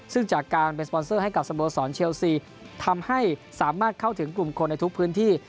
ซึ่งจากการเป็นสปอนเซอร์ให้กับสโมสรเชลซีทำให้สามารถเข้าถึงกลุ่มคนในทุกพื้นที่